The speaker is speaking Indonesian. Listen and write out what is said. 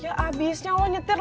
ya abisnya allah nyetir lah